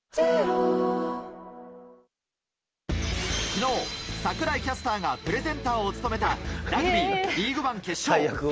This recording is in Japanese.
昨日、櫻井キャスターがプレゼンターを務めたラグビーリーグワン決勝。